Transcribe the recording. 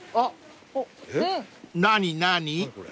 ［何何？］